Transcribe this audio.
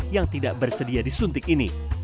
yang tidak bersedia disuntik ini